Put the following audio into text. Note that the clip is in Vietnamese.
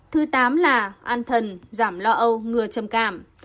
thứ tám là an thần giảm lo âu ngừa trầm cảm